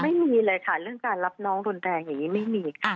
ไม่มีเลยค่ะเรื่องการรับน้องรุนแรงอย่างนี้ไม่มีค่ะ